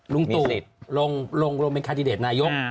ลุงตู่ลงเป็นคาดิเดตนายก